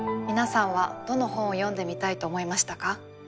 皆さんはどの本を読んでみたいと思いましたか？